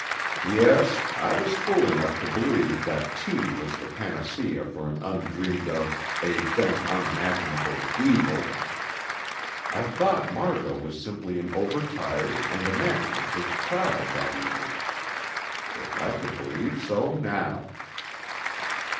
Yes, I was fool enough to believe that tea was the panacea for an undreamed of, a then unimaginable, evil. I thought Margot was simply an overtired and imaginative child that evening. If I could believe so now!